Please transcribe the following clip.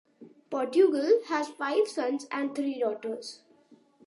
Portugal has five sons and three daughters.